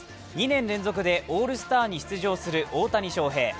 ２年連続でオールスターに出場する大谷翔平。